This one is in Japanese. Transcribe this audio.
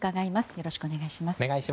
よろしくお願いします。